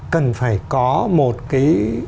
cần phải có một cái